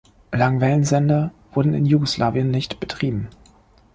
Langwellensender wurden in Jugoslawien nicht betrieben.